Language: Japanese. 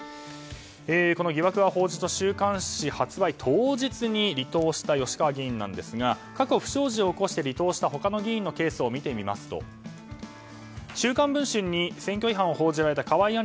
疑惑を報じた週刊誌発売当日に離党した吉川議員ですが過去不祥事を起こして離党した他の議員を見てみますと「週刊文春」に選挙違反を報じられた河井案